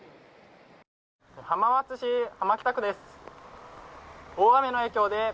浜松市浜北区です。